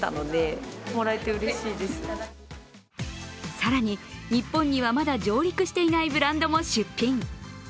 更に、日本にまだ上陸していないブランドも出品。